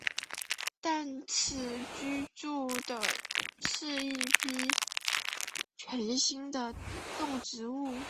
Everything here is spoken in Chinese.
但此居住的是一批全新的动植物。